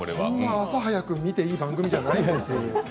朝、早く見ていい番組じゃないですよ。